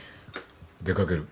出掛ける。